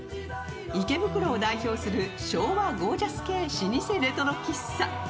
池袋を代表する昭和ゴージャス系老舗レトロ喫茶。